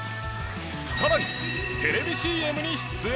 更に、テレビＣＭに出演。